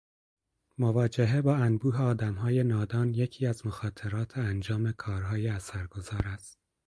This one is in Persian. مواجهه با انبوه آدمهای نادان، یکی از مخاطرات انجام کارهای اثرگذار است